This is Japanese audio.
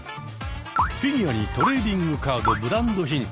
フィギュアにトレーディングカードブランド品。